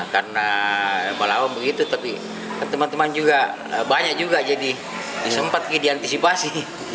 karena melawang begitu tapi teman teman juga banyak juga jadi sempat diantisipasi